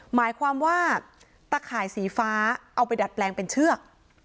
หมายความว่าตะข่ายสีฟ้าเอาไปดัดแปลงเป็นเชือก